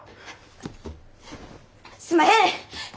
すんまへん！